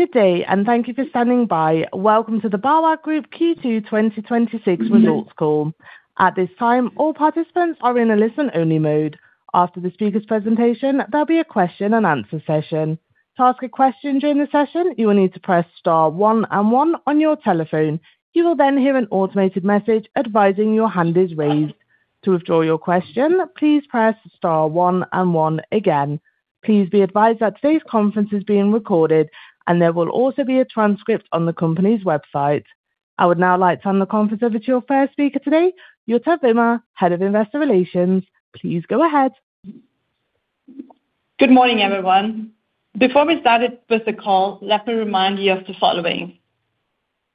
Good day, and thank you for standing by. Welcome to the BAWAG Group Q2 2026 results call. At this time, all participants are in a listen-only mode. After the speaker's presentation, there will be a question and answer session. To ask a question during the session, you will need to press star one and one on your telephone. You will then hear an automated message advising your hand is raised. To withdraw your question, please press star one and one again. Please be advised that today's conference is being recorded, and there will also be a transcript on the company's website. I would now like to hand the conference over to your first speaker today, Jutta Wimmer, Head of Investor Relations. Please go ahead. Good morning, everyone. Before we start with the call, let me remind you of the following.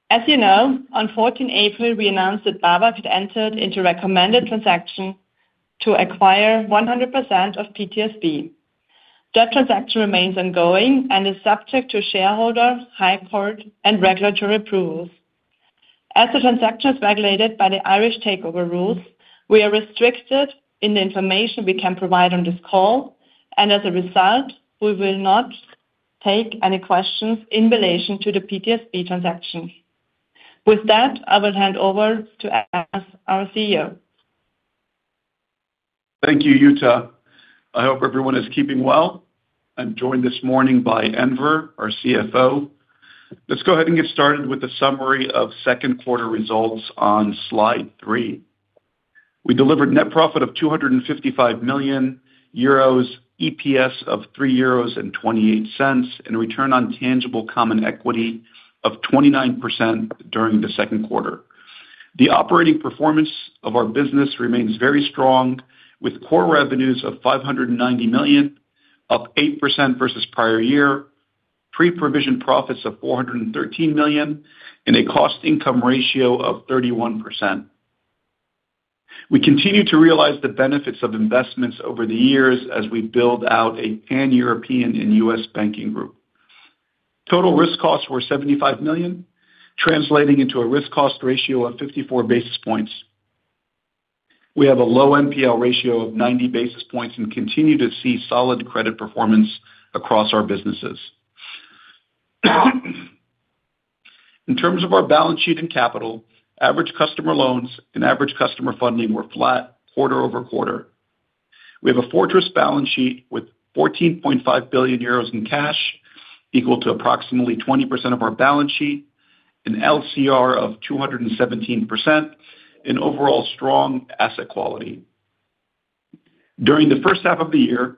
As you know, on 14 April we announced that BAWAG had entered into recommended transaction to acquire 100% of PTSB. That transaction remains ongoing and is subject to shareholder, High Court, and regulatory approvals. As the transaction is regulated by the Irish Takeover Rules, we are restricted in the information we can provide on this call, and as a result, we will not take any questions in relation to the PTSB transaction. With that, I will hand over to Anas, our CEO. Thank you, Jutta. I hope everyone is keeping well. I am joined this morning by Enver, our CFO. Let's go ahead and get started with a summary of second quarter results on slide three. We delivered net profit of 255 million euros, EPS of 3.28 euros, and return on tangible common equity of 29% during the second quarter. The operating performance of our business remains very strong, with core revenues of 590 million, up 8% versus prior year, pre-provision profits of 413 million, and a cost income ratio of 31%. We continue to realize the benefits of investments over the years as we build out a pan-European and U.S. banking group. Total risk costs were EUR 75 million, translating into a risk cost ratio of 54 basis points. We have a low NPL ratio of 90 basis points and continue to see solid credit performance across our businesses. In terms of our balance sheet and capital, average customer loans and average customer funding were flat quarter-over-quarter. We have a fortress balance sheet with 14.5 billion euros in cash, equal to approximately 20% of our balance sheet, an LCR of 217%, and overall strong asset quality. During the first half of the year,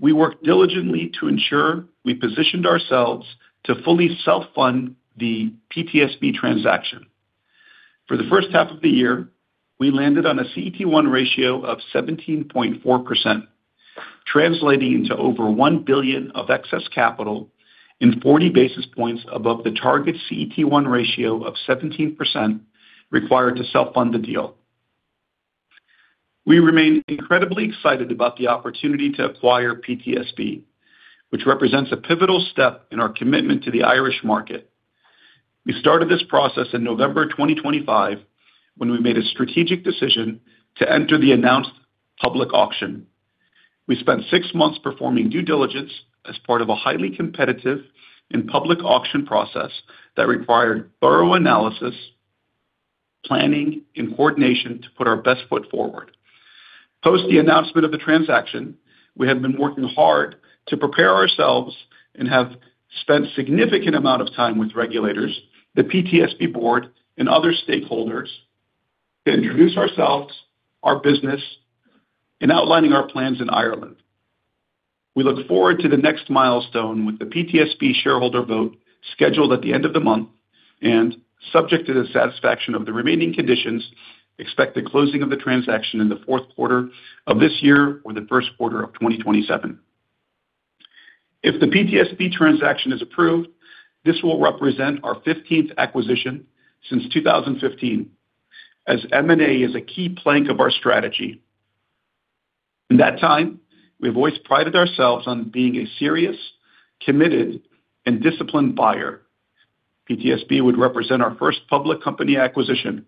we worked diligently to ensure we positioned ourselves to fully self-fund the PTSB transaction. For the first half of the year, we landed on a CET1 ratio of 17.4%, translating to over 1 billion of excess capital and 40 basis points above the target CET1 ratio of 17% required to self-fund the deal. We remain incredibly excited about the opportunity to acquire PTSB, which represents a pivotal step in our commitment to the Irish market. We started this process in November 2025, when we made a strategic decision to enter the announced public auction. We spent six months performing due diligence as part of a highly competitive and public auction process that required thorough analysis, planning, and coordination to put our best foot forward. After the announcement of the transaction, we have been working hard to prepare ourselves and have spent significant amount of time with regulators, the PTSB board, and other stakeholders to introduce ourselves, our business, and outlining our plans in Ireland. We look forward to the next milestone with the PTSB shareholder vote scheduled at the end of the month, and subject to the satisfaction of the remaining conditions, expect the closing of the transaction in the fourth quarter of this year or the first quarter of 2027. If the PTSB transaction is approved, this will represent our 15th acquisition since 2015, as M&A is a key plank of our strategy. In that time, we have always prided ourselves on being a serious, committed, and disciplined buyer. PTSB would represent our first public company acquisition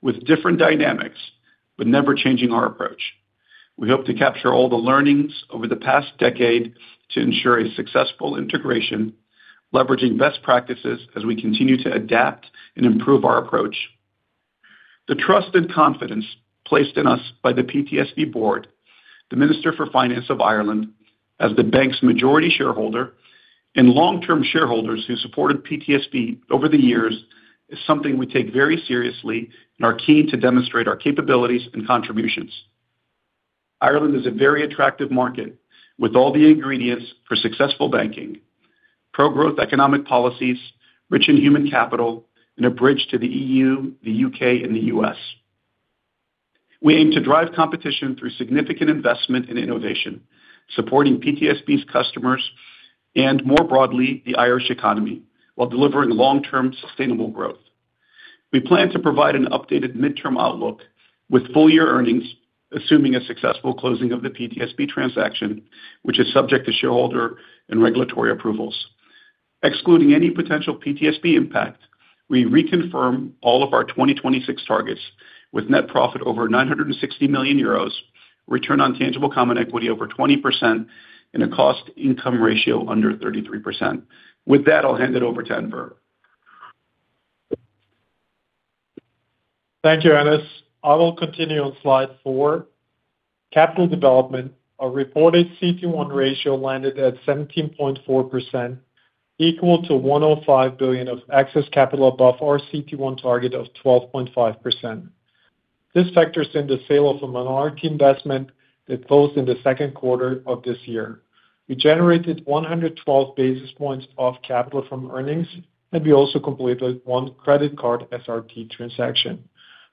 with different dynamics, but never changing our approach. We hope to capture all the learnings over the past decade to ensure a successful integration, leveraging best practices as we continue to adapt and improve our approach. The trust and confidence placed in us by the PTSB board, the Minister for Finance of Ireland as the bank's majority shareholder, and long-term shareholders who supported PTSB over the years is something we take very seriously and are key to demonstrate our capabilities and contributions. Ireland is a very attractive market with all the ingredients for successful banking, pro-growth economic policies, rich in human capital, and a bridge to the EU, the U.K., and the U.S. We aim to drive competition through significant investment in innovation, supporting PTSB's customers, and more broadly, the Irish economy while delivering long-term sustainable growth. We plan to provide an updated midterm outlook with full-year earnings, assuming a successful closing of the PTSB transaction, which is subject to shareholder and regulatory approvals. Excluding any potential PTSB impact, we reconfirm all of our 2026 targets with net profit over 960 million euros, Return on tangible common equity over 20%, and a cost-income ratio under 33%. With that, I'll hand it over to Enver. Thank you, Anas. I will continue on slide four, capital development. Our reported CET1 ratio landed at 17.4%, equal to 105 billion of excess capital above our CET1 target of 12.5%. This factors in the sale of a minority investment that closed in the second quarter of this year. We generated 112 basis points of capital from earnings, and we also completed one credit card SRT transaction.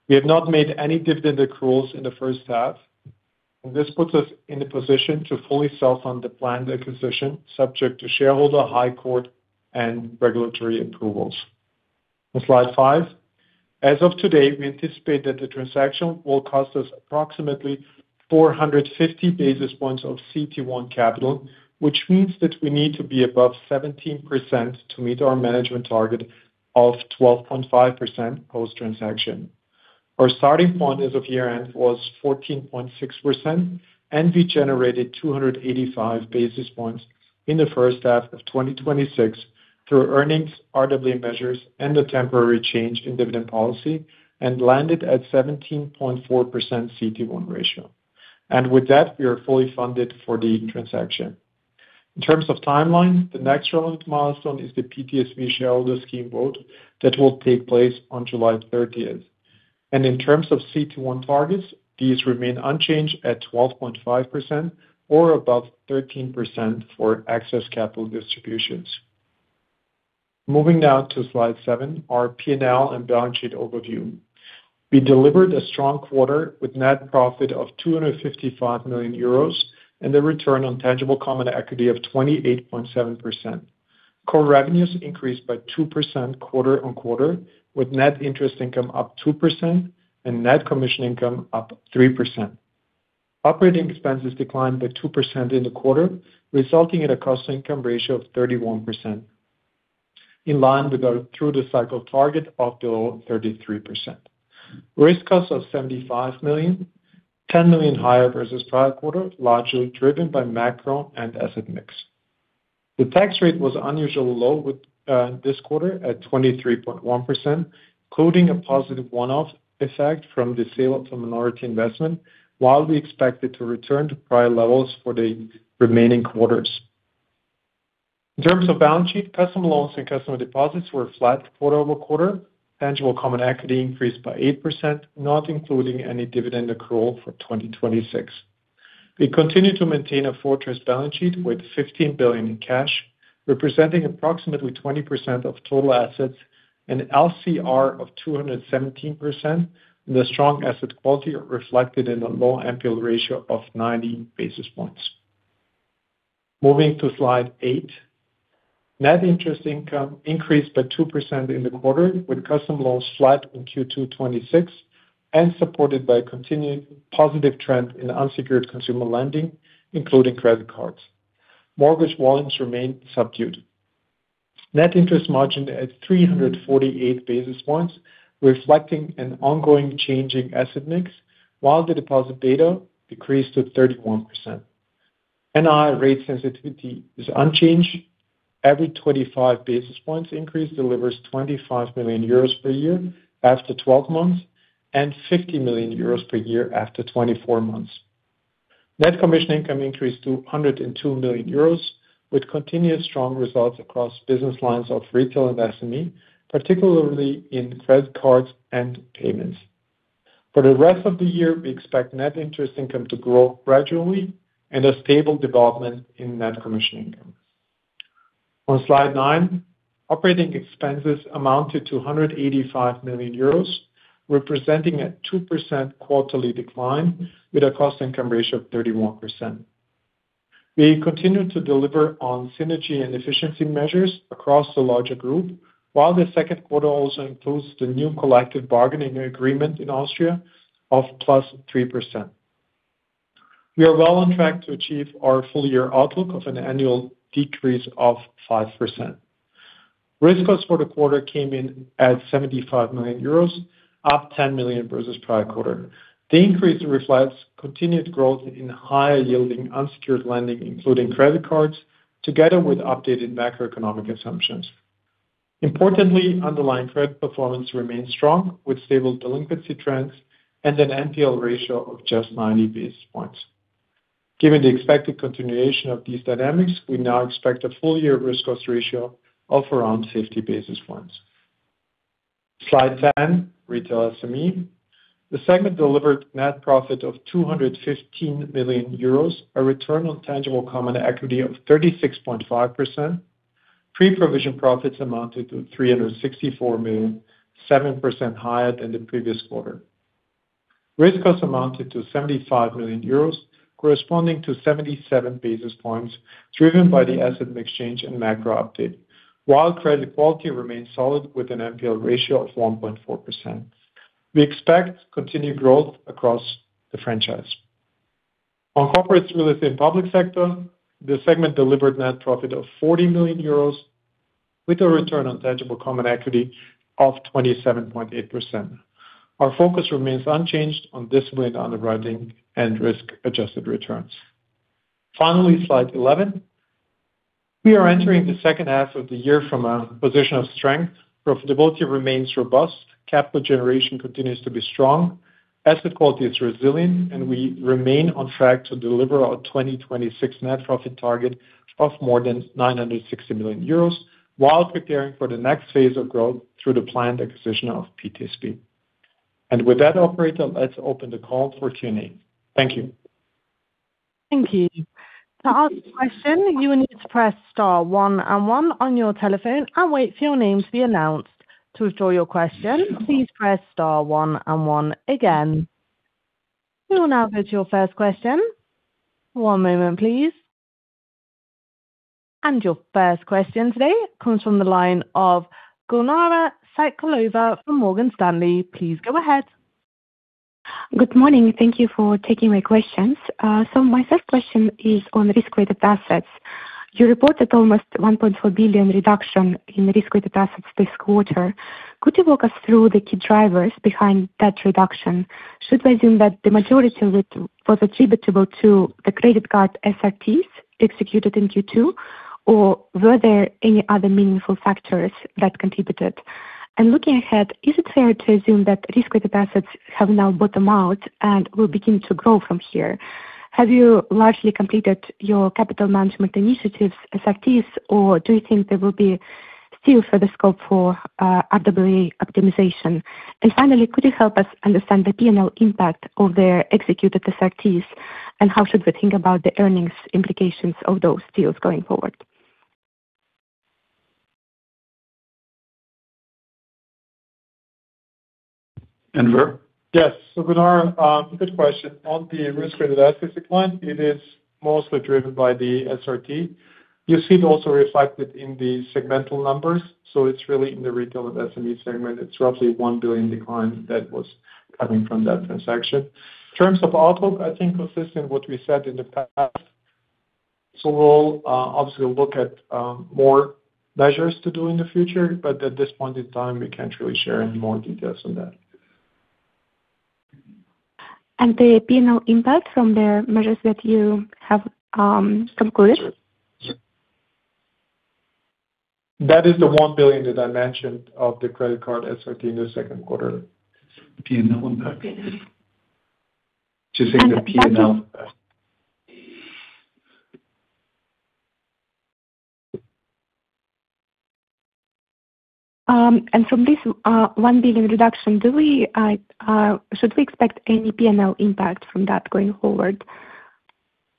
We have not made any dividend accruals in the first half, and this puts us in the position to fully self-fund the planned acquisition, subject to shareholder, High Court, and regulatory approvals. On slide five, as of today, we anticipate that the transaction will cost us approximately 450 basis points of CET1 capital, which means that we need to be above 17% to meet our management target of 12.5% post-transaction. Our starting point as of year-end was 14.6%. We generated 285 basis points in the first half of 2026 through earnings, RWA measures, and a temporary change in dividend policy, and landed at 17.4% CET1 ratio. With that, we are fully funded for the transaction. In terms of timeline, the next relevant milestone is the PTSB shareholder scheme vote that will take place on July 30th. In terms of CET1 targets, these remain unchanged at 12.5% or above 13% for excess capital distributions. Moving now to slide seven, our P&L and balance sheet overview. We delivered a strong quarter with net profit of 255 million euros, and the return on tangible common equity of 28.7%. Core revenues increased by 2% quarter-over-quarter, with net interest income up 2% and net commission income up 3%. Operating expenses declined by 2% in the quarter, resulting in a cost-income ratio of 31%, in line with our through the cycle target of below 33%. Risk cost of 75 million, 10 million higher versus prior quarter, largely driven by macro and asset mix. The tax rate was unusually low this quarter at 23.1%, including a positive one-off effect from the sale of the minority investment, while we expect it to return to prior levels for the remaining quarters. In terms of balance sheet, customer loans and customer deposits were flat quarter-over-quarter. Tangible common equity increased by 8%, not including any dividend accrual for 2026. We continue to maintain a fortress balance sheet with 15 billion in cash. Representing approximately 20% of total assets, an LCR of 217%, and the strong asset quality reflected in a low NPL ratio of 90 basis points. Moving to slide eight. Net interest income increased by 2% in the quarter, with customer loans flat in Q2 2026 and supported by a continuing positive trend in unsecured consumer lending, including credit cards. Mortgage volumes remain subdued. Net interest margin at 348 basis points, reflecting an ongoing change in asset mix while the deposit beta decreased to 31%. NII rate sensitivity is unchanged. Every 25 basis points increase delivers 25 million euros per year after 12 months and 50 million euros per year after 24 months. Net commission income increased to 102 million euros, with continued strong results across business lines of retail and SME, particularly in credit cards and payments. For the rest of the year, we expect net interest income to grow gradually and a stable development in net commission income. On slide nine, operating expenses amounted to 185 million euros, representing a 2% quarterly decline with a cost-income ratio of 31%. We continue to deliver on synergy and efficiency measures across the larger group, while the second quarter also includes the new collective bargaining agreement in Austria of +3%. We are well on track to achieve our full year outlook of an annual decrease of 5%. Risk costs for the quarter came in at 75 million euros, up 10 million versus prior quarter. The increase reflects continued growth in higher yielding unsecured lending, including credit cards, together with updated macroeconomic assumptions. Importantly, underlying credit performance remains strong, with stable delinquency trends and an NPL ratio of just 90 basis points. Given the expected continuation of these dynamics, we now expect a full year risk cost ratio of around 50 basis points. Slide 10, Retail SME. The segment delivered net profit of 215 million euros, a return on tangible common equity of 36.5%. Pre-provision profits amounted to 364 million, 7% higher than the previous quarter. Risk costs amounted to 75 million euros, corresponding to 77 basis points, driven by the asset exchange and macro update. While credit quality remains solid with an NPL ratio of 1.4%. We expect continued growth across the franchise. On Corporate, Real Estate, and Public Sector, the segment delivered net profit of 40 million euros With a return on tangible common equity of 27.8%. Our focus remains unchanged on disciplined underwriting and risk-adjusted returns. Finally, slide 11. We are entering the second half of the year from a position of strength. Profitability remains robust, capital generation continues to be strong, asset quality is resilient, and we remain on track to deliver our 2026 net profit target of more than 960 million euros while preparing for the next phase of growth through the planned acquisition of PTSB. With that, operator, let's open the call for Q&A. Thank you. Thank you. To ask a question, you will need to press star one and one on your telephone and wait for your name to be announced. To withdraw your question, please press star one and one again. We will now go to your first question. One moment, please. Your first question today comes from the line of Gulnara Saitkulova from Morgan Stanley. Please go ahead. Good morning. Thank you for taking my questions. My first question is on risk-weighted assets. You reported almost 1.4 billion reduction in risk-weighted assets this quarter. Could you walk us through the key drivers behind that reduction? Should we assume that the majority of it was attributable to the credit card SRTs executed in Q2, or were there any other meaningful factors that contributed? Looking ahead, is it fair to assume that risk-weighted assets have now bottomed out and will begin to grow from here? Have you largely completed your capital management initiatives, SRTs, or do you think there will be still further scope for RWA optimization? Finally, could you help us understand the P&L impact of the executed SRTs, and how should we think about the earnings implications of those deals going forward? Enver? Yes. Gulnara, good question. On the risk-weighted assets decline, it is mostly driven by the SRT. You see it also reflected in the segmental numbers, it's really in the retail and SME segment. It's roughly 1 billion decline that was coming from that transaction. In terms of outlook, I think consistent with what we said in the past, we'll obviously look at more measures to do in the future, but at this point in time, we can't really share any more details on that. The P&L impact from the measures that you have concluded? That is the 1 billion that I mentioned of the credit card SRT in the second quarter. P&L impact. She's saying the P&L. From this 1 billion reduction, should we expect any P&L impact from that going forward?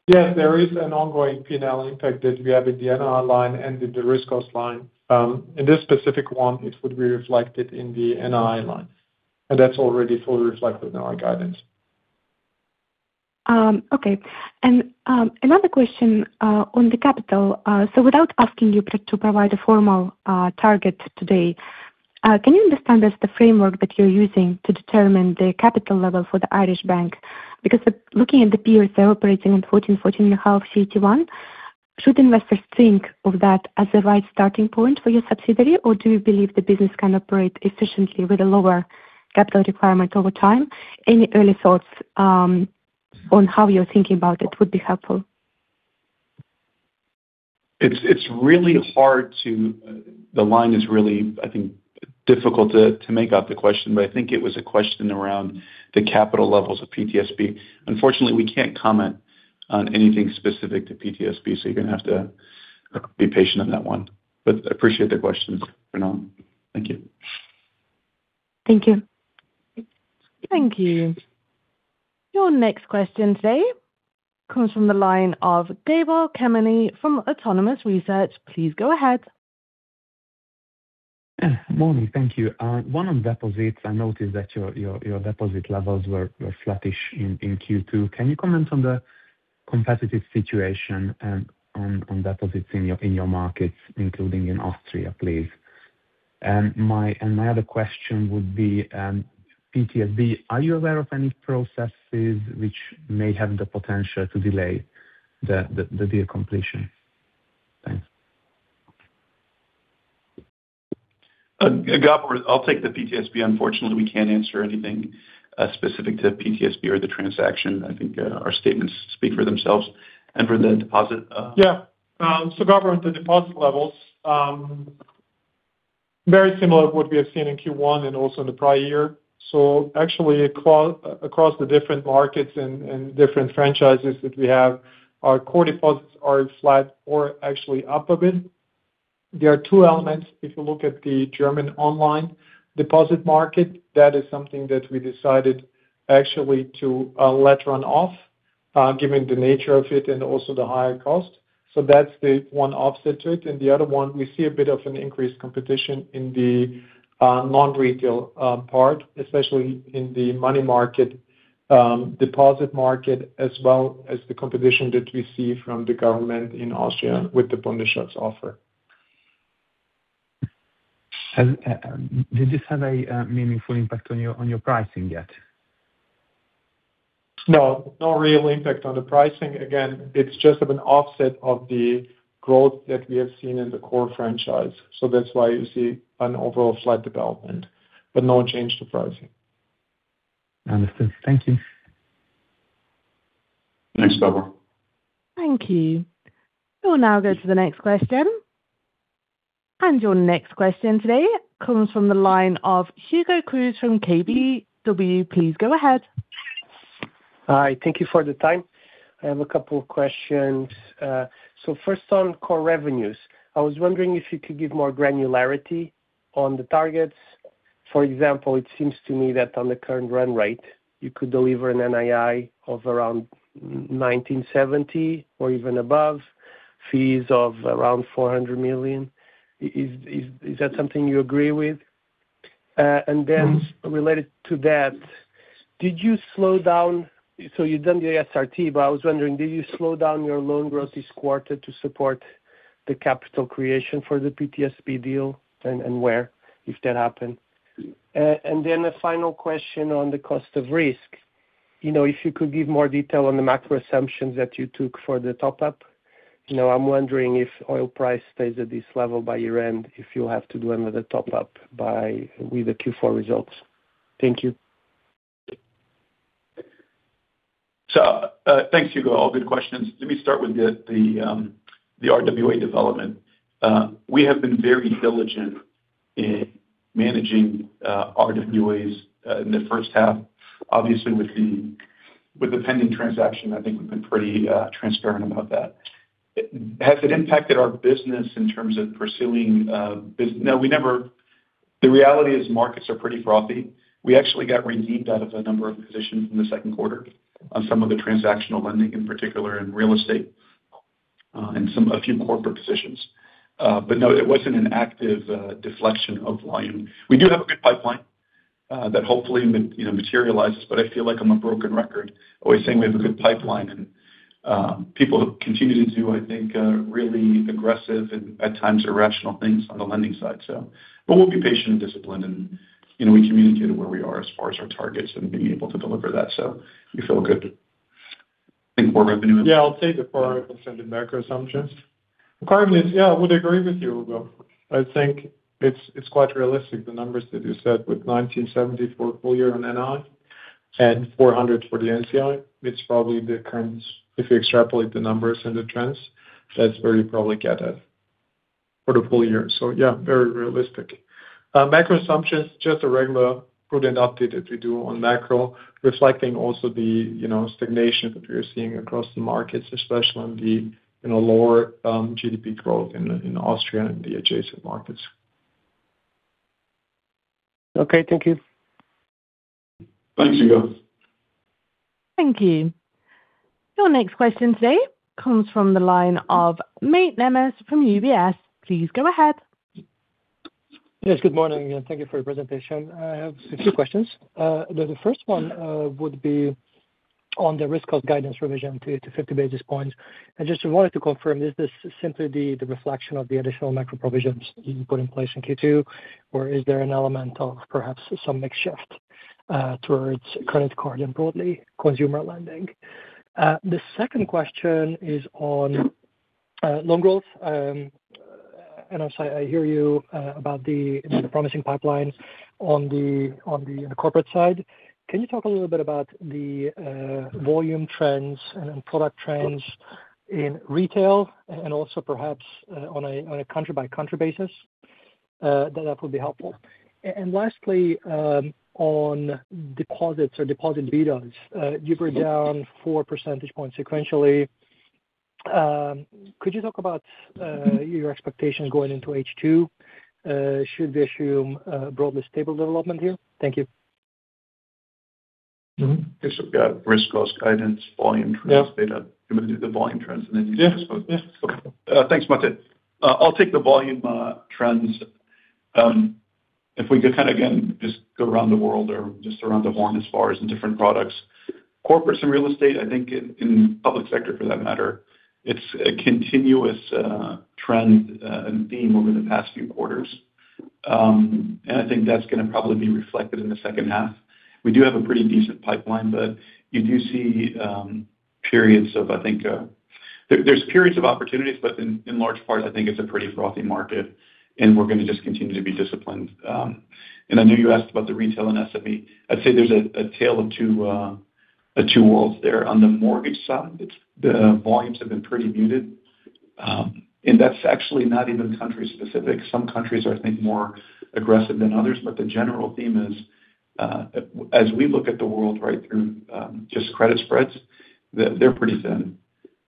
Yes, there is an ongoing P&L impact that we have in the NII line and in the risk cost line. In this specific one, it would be reflected in the NII line, and that's already fully reflected in our guidance. Okay. Another question on the capital. Without asking you to provide a formal target today, can you understand the framework that you're using to determine the capital level for the Irish bank? Because looking at the peers, they're operating in 14%, 14.5% CET1. Should investors think of that as the right starting point for your subsidiary, or do you believe the business can operate efficiently with a lower capital requirement over time? Any early thoughts on how you're thinking about it would be helpful. The line is really, I think, difficult to make out the question, I think it was a question around the capital levels of PTSB. Unfortunately, we can't comment on anything specific to PTSB, you're going to have to be patient on that one. Appreciate the question, Gulnara. Thank you. Thank you. Thank you. Your next question today comes from the line of Gábor Kemény from Autonomous Research. Please go ahead. Morning. Thank you. One on deposits. I noticed that your deposit levels were flattish in Q2. Can you comment on the competitive situation on deposits in your markets, including in Austria, please? My other question would be PTSB. Are you aware of any processes which may have the potential to delay the deal completion? Thanks. Gábor, I'll take the PTSB. Unfortunately, we can't answer anything specific to PTSB or the transaction. I think our statements speak for themselves. Enver, the deposit. Yeah. Gábor, the deposit levels, very similar to what we have seen in Q1 and also in the prior year. Actually, across the different markets and different franchises that we have, our core deposits are flat or actually up a bit. There are two elements. If you look at the German online deposit market, that is something that we decided actually to let run off, given the nature of it and also the higher cost. That's the one offset to it. The other one, we see a bit of an increased competition in the non-retail part, especially in the money market, deposit market, as well as the competition that we see from the government in Austria with the Bundesschatz offer. Did this have a meaningful impact on your pricing yet? No real impact on the pricing. Again, it's just an offset of the growth that we have seen in the core franchise. That's why you see an overall slight development, but no change to pricing. Understood. Thank you. Thanks, Gábor. Thank you. We'll now go to the next question. Your next question today comes from the line of Hugo Cruz from KBW. Please go ahead. Hi. Thank you for the time. I have a couple of questions. First on core revenues. I was wondering if you could give more granularity on the targets. For example, it seems to me that on the current run rate, you could deliver an NII of around 1,970 or even above, fees of around 400 million. Is that something you agree with? Related to that, you've done the SRT, but I was wondering, did you slow down your loan growth this quarter to support the capital creation for the PTSB deal, and where, if that happened? A final question on the cost of risk. If you could give more detail on the macro assumptions that you took for the top up. I'm wondering if oil price stays at this level by year-end, if you'll have to do another top up with the Q4 results. Thank you. Thanks, Hugo. All good questions. Let me start with the RWA development. We have been very diligent in managing RWAs in the first half. Obviously, with the pending transaction, I think we've been pretty transparent about that. Has it impacted our business in terms of pursuing business? No. The reality is markets are pretty frothy. We actually got redeemed out of a number of positions in the second quarter on some of the transactional lending, in particular in real estate, and a few corporate positions. No, it wasn't an active deflection of volume. We do have a good pipeline that hopefully materializes, but I feel like I'm a broken record always saying we have a good pipeline, and people continue to do, I think, really aggressive and at times irrational things on the lending side. We'll be patient and disciplined, and we communicated where we are as far as our targets and being able to deliver that. We feel good. I think core revenue. I'll take it before I go send in macro assumptions. Currently is, I would agree with you, Hugo. I think it's quite realistic, the numbers that you said with 1,970 for a full year on NII and 400 for the NCI. If you extrapolate the numbers and the trends, that's where you probably get it for the full year. Very realistic. Macro assumptions, just a regular prudent update that we do on macro, reflecting also the stagnation that we are seeing across the markets, especially on the lower GDP growth in Austria and the adjacent markets. Thank you. Thanks, Hugo. Thank you. Your next question today comes from the line of Máté Nemes from UBS. Please go ahead. Yes, good morning, thank you for your presentation. I have two questions. The first one would be on the risk of guidance revision to 50 basis points. I just wanted to confirm, is this simply the reflection of the additional macro provisions you put in place in Q2, or is there an element of perhaps some mix shift towards credit card and broadly consumer lending? The second question is on loan growth. Also, I hear you about the promising pipelines on the corporate side. Can you talk a little bit about the volume trends and product trends in retail, and also perhaps on a country-by-country basis? That would be helpful. Lastly, on deposits or deposit betas. You were down four percentage points sequentially. Could you talk about your expectations going into H2? Should we assume broadly stable development here? Thank you. I guess we've got risk, cost, guidance, volume trends data. You want me to do the volume trends and then? Yeah. Okay. Thanks, Máté. I'll take the volume trends. If we could kind of, again, just go around the world or just around the horn as far as in different products. Corporate and real estate, I think in public sector for that matter, it's a continuous trend and theme over the past few quarters. I think that's going to probably be reflected in the second half. We do have a pretty decent pipeline, but you do see there's periods of opportunities, but in large part, I think it's a pretty frothy market, and we're going to just continue to be disciplined. I know you asked about the retail and SME. I'd say there's a tale of two worlds there. On the mortgage side, the volumes have been pretty muted. That's actually not even country specific. Some countries are, I think, more aggressive than others. The general theme is, as we look at the world right through just credit spreads, they're pretty thin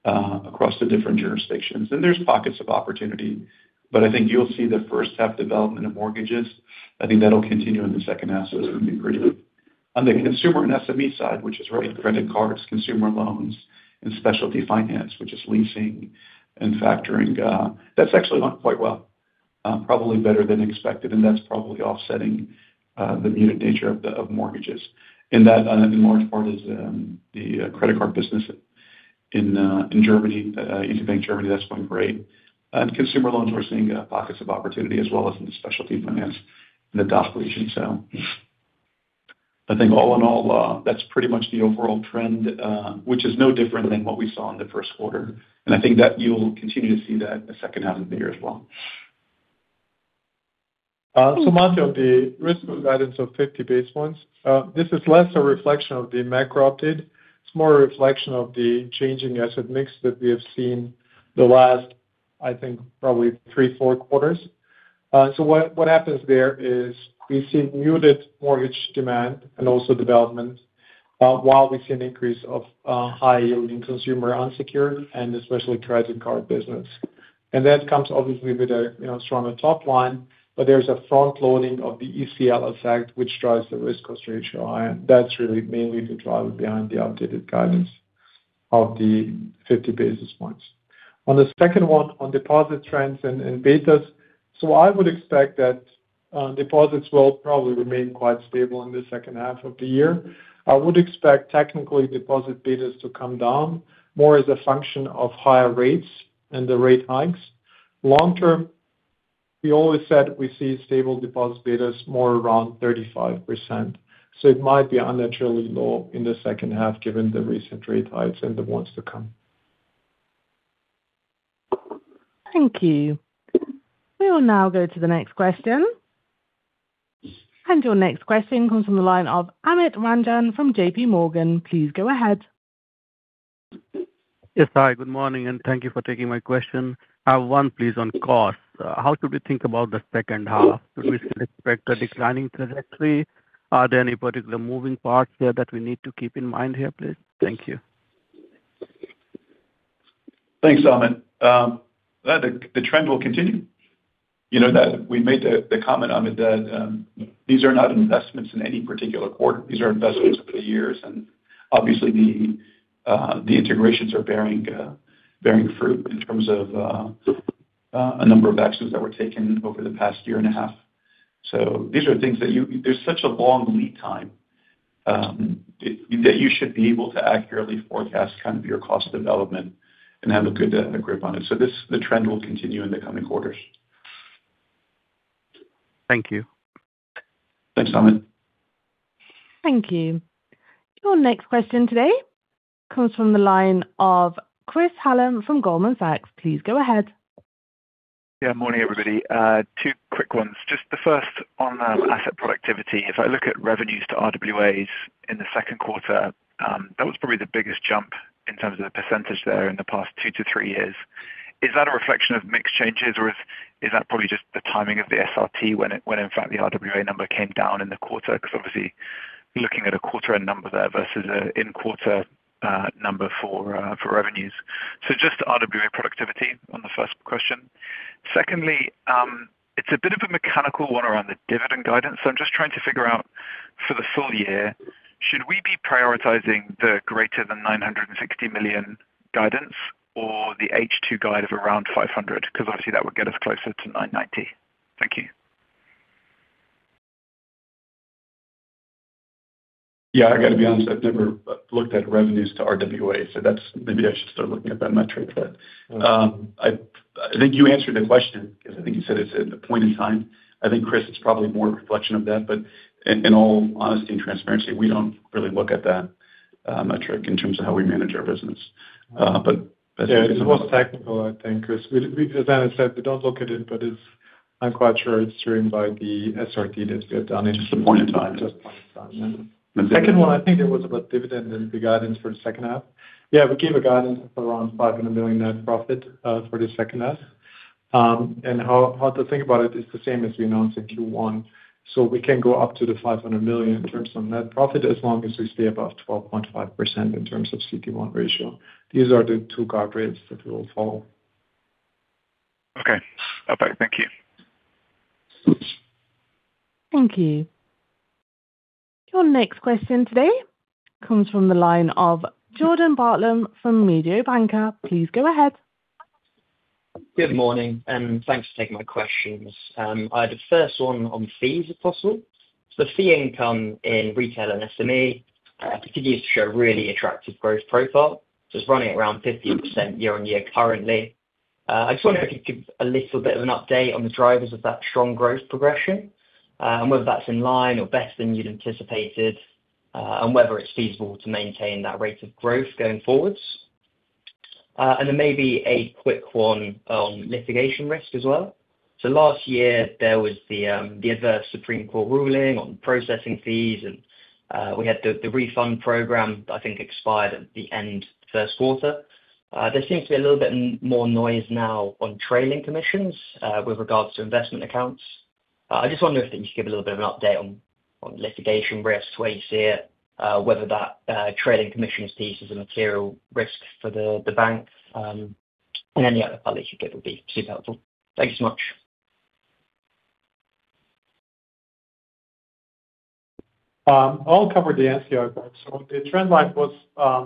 across the different jurisdictions. There's pockets of opportunity. I think you'll see the first half development of mortgages. I think that'll continue in the second half. On the consumer and SME side, which is really the credit cards, consumer loans, and specialty finance, which is leasing and factoring, that's actually gone quite well. Probably better than expected, that's probably offsetting the muted nature of mortgages. That in large part is the credit card business in Germany, Interbank Germany, that's going great. In consumer loans, we're seeing pockets of opportunity as well as in the specialty finance in the DACH region. I think all in all, that's pretty much the overall trend, which is no different than what we saw in the first quarter. I think that you'll continue to see that in the second half of the year as well. Much of the risk guidance of 50 basis points. This is less a reflection of the macro update. It's more a reflection of the changing asset mix that we have seen the last, I think, probably three, four quarters. What happens there is we see muted mortgage demand and also development, while we see an increase of high yielding consumer unsecured and especially credit card business. That comes obviously with a stronger top line, but there's a front loading of the ECL effect, which drives the risk cost ratio higher. That's really mainly the driver behind the updated guidance of the 50 basis points. On the second one, on deposit trends and betas. I would expect that deposits will probably remain quite stable in the second half of the year. I would expect technically deposit betas to come down more as a function of higher rates and the rate hikes. Long term, we always said we see stable deposit betas more around 35%. It might be unnaturally low in the second half given the recent rate hikes and the ones to come. Thank you. We will now go to the next question. Your next question comes from the line of Amit Ranjan from JPMorgan. Please go ahead. Yes, hi, good morning, and thank you for taking my question. I have one please on cost. How should we think about the second half? Should we still expect a declining trajectory? Are there any particular moving parts there that we need to keep in mind here, please? Thank you. Thanks, Amit. The trend will continue. We made the comment, Amit, that these are not investments in any particular quarter. These are investments over the years, and obviously the integrations are bearing fruit in terms of a number of actions that were taken over the past year and a half. These are things that there's such a long lead time that you should be able to accurately forecast kind of your cost development and have a good grip on it. The trend will continue in the coming quarters. Thank you. Thanks, Amit. Thank you. Your next question today comes from the line of Chris Hallam from Goldman Sachs. Please go ahead. Yeah, morning, everybody. Two quick ones. Just the first on asset productivity. If I look at revenues to RWAs in the second quarter, that was probably the biggest jump in terms of the percentage there in the past two to three years. Is that a reflection of mix changes or is that probably just the timing of the SRT when in fact the RWA number came down in the quarter? Obviously you're looking at a quarter end number there versus an in quarter number for revenues. Just RWA productivity on the first question. Secondly, it's a bit of a mechanical one around the dividend guidance. I'm just trying to figure out for the full year, should we be prioritizing the greater than 960 million guidance or the H2 guide of around 500? Obviously that would get us closer to 990. Thank you. Yeah, I got to be honest, I have never looked at revenues to RWA, so maybe I should start looking at that metric, but I think you answered the question because I think you said it is a point in time. I think Chris, it is probably more a reflection of that, but in all honesty and transparency, we do not really look at that metric in terms of how we manage our business. Yeah, it is more technical, I think, Chris. As Anas said, we do not look at it, but I am quite sure it is driven by the SRT that we have done. It is just a point in time. Just a point in time, yeah. The second one, I think it was about dividend and the guidance for the second half. Yeah, we gave a guidance of around 500 million net profit for the second half. How to think about it is the same as we announced in Q1. We can go up to the 500 million in terms of net profit as long as we stay above 12.5% in terms of CET1 ratio. These are the two guardrails that we will follow. Okay. Bye-bye. Thank you. Thank you. Your next question today comes from the line of Jordan Bartlam from Mediobanca. Please go ahead. Good morning. Thanks for taking my questions. The first one on fees, if possible. Fee income in retail and SME continues to show really attractive growth profile, just running at around 50% year-over-year currently. I just wonder if you could give a little bit of an update on the drivers of that strong growth progression and whether that's in line or better than you'd anticipated and whether it's feasible to maintain that rate of growth going forwards? Then maybe a quick one on litigation risk as well. Last year there was the adverse Supreme Court ruling on processing fees and we had the refund program that I think expired at the end of the first quarter. There seems to be a little bit more noise now on trailing commissions with regards to investment accounts. I just wonder if you could give a little bit of an update on litigation risks, where you see it, whether that trailing commissions piece is a material risk for the bank, and any other color you could give would be super helpful. Thank you so much. I'll cover the NCI part. The trend line was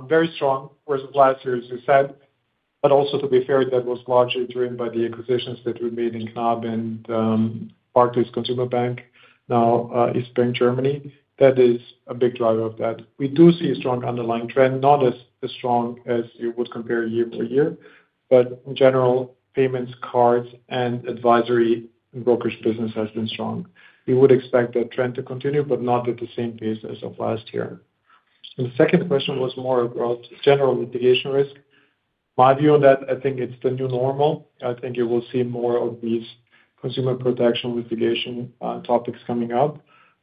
very strong versus last year, as you said. Also, to be fair, that was largely driven by the acquisitions that we made in Knab and Barclays Consumer Bank, now easybank, Germany. That is a big driver of that. We do see a strong underlying trend, not as strong as you would compare year-to-year, but in general, payments, cards, and advisory brokerage business has been strong. We would expect that trend to continue, but not at the same pace as of last year. The second question was more about general litigation risk. My view on that, I think it's the new normal. I think you will see more of these consumer protection litigation topics coming up.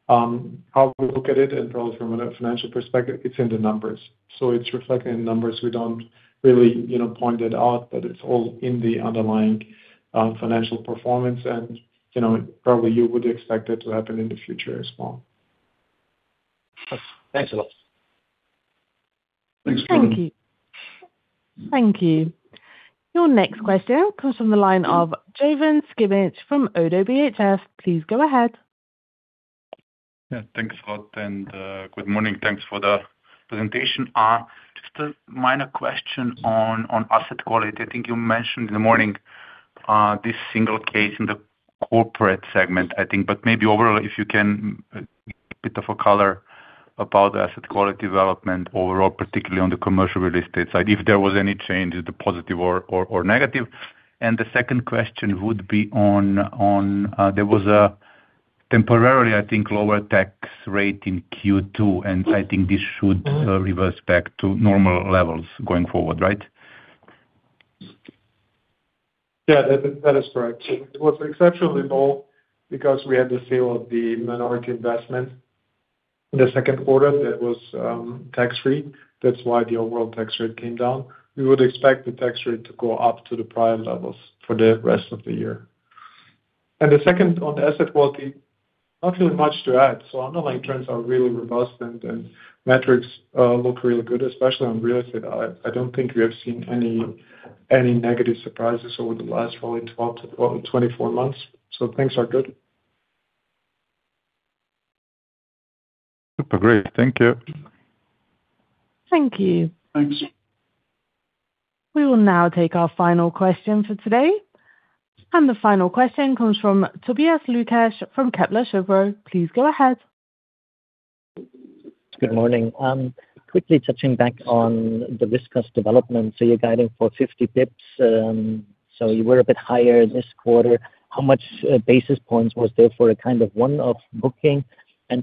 How we look at it, and probably from a financial perspective, it's in the numbers. It's reflected in numbers. We don't really point it out, but it's all in the underlying financial performance. Probably you would expect it to happen in the future as well. Thanks a lot. Thanks Jordan. Thank you. Your next question comes from the line of Jovan Sikimić from Oddo BHF. Please go ahead. Yeah, thanks a lot and good morning. Thanks for the presentation. Just a minor question on asset quality. I think you mentioned in the morning, this single case in the corporate segment, I think, maybe overall, if you can, a bit of a color about asset quality development overall, particularly on the commercial real estate side, if there was any change, either positive or negative. The second question would be on, there was a temporarily, I think, lower tax rate in Q2, and I think this should reverse back to normal levels going forward, right? Yeah, that is correct. It was exceptionally low because we had the sale of the minority investment in the second quarter that was tax free. That's why the overall tax rate came down. We would expect the tax rate to go up to the prior levels for the rest of the year. The second on the asset quality, not really much to add. Underlying trends are really robust and metrics look really good, especially on real estate. I don't think we have seen any negative surprises over the last, probably, 12-24 months. Things are good. Super great. Thank you. Thank you. Thanks. We will now take our final question for today. The final question comes from Tobias Lukesch from Kepler Cheuvreux. Please go ahead. Good morning. Quickly touching back on the risk cost development. You're guiding for 50 basis points. You were a bit higher this quarter. How much basis points was there for a kind of one-off booking?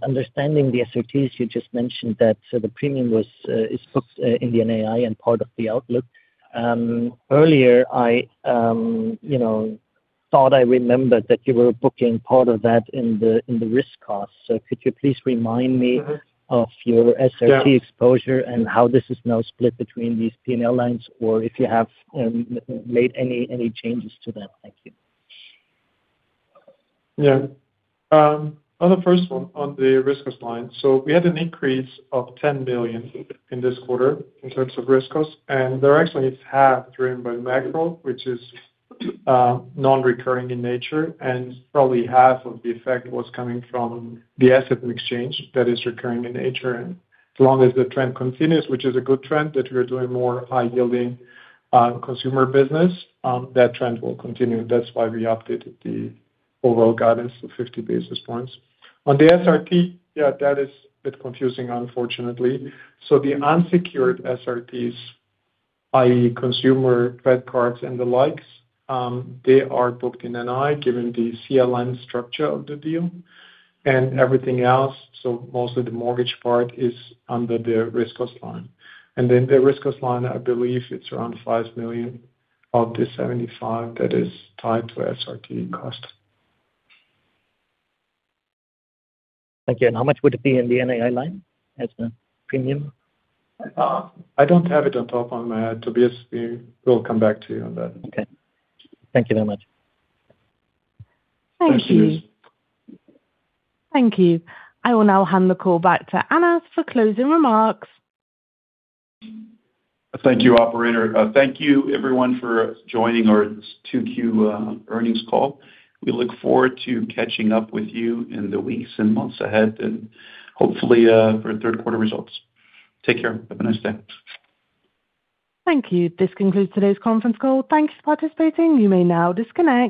Understanding the SRTs, you just mentioned that the premium is booked in the NII and part of the outlook. Earlier, I thought I remembered that you were booking part of that in the risk cost. Could you please remind me of your SRT exposure and how this is now split between these P&L lines, or if you have made any changes to that? Thank you. Yeah. On the first one, on the risk cost line, we had an increase of 10 million in this quarter in terms of risk cost, they're actually half driven by macro, which is non-recurring in nature, probably half of the effect was coming from the asset exchange that is recurring in nature. As long as the trend continues, which is a good trend, that we are doing more high-yielding consumer business, that trend will continue. That's why we updated the overall guidance of 50 basis points. On the SRT, yeah, that is a bit confusing, unfortunately. The unsecured SRTs, i.e., consumer, credit cards, and the likes, they are booked in NII given the CLN structure of the deal, everything else, mostly the mortgage part, is under the risk cost line. The risk cost line, I believe it's around 5 million of the 75 million that is tied to SRT cost. Thank you. How much would it be in the NII line as a premium? I don't have it on top of my head, Tobias. We will come back to you on that. Okay. Thank you very much. Thank you. I will now hand the call back to Anas for closing remarks. Thank you, operator. Thank you everyone for joining our 2Q earnings call. We look forward to catching up with you in the weeks and months ahead and hopefully for third quarter results. Take care. Have a nice day. Thank you. This concludes today's conference call. Thank you for participating. You may now disconnect.